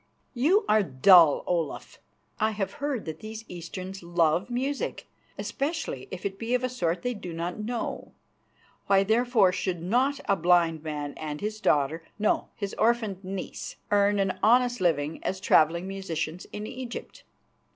"You are dull, Olaf. I have heard that these Easterns love music, especially if it be of a sort they do not know. Why, therefore, should not a blind man and his daughter no, his orphaned niece earn an honest living as travelling musicians in Egypt?